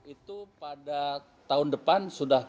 itu pada tahun depan sudah